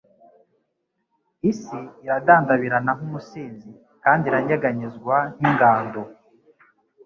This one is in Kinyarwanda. «Isi iradandabirana nk'umusinzi kandi iranyeganyezwa nk'ingando;»